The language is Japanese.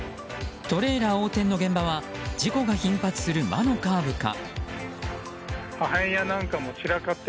トレーラー横転の現場は事故が頻発する魔のカーブか。